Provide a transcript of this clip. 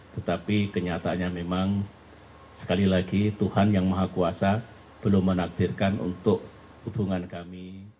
tetapi kenyataannya memang sekali lagi tuhan yang maha kuasa belum menakdirkan untuk hubungan kami